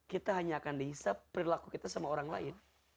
kita hanya akan dihisap perilaku kita sama orang lain